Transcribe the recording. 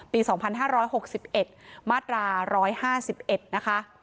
ปี๒๕๖๑มาตรา๑๕๑นะคะ